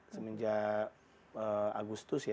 semenjak agustus ya dua ribu dua puluh satu